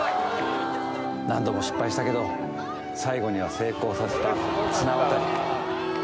何度も失敗したけど、最後には成功させた綱渡り。